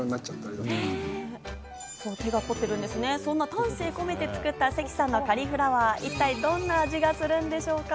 丹精込めて作った關さんのカリフラワー、一体どんな味がするんでしょうか？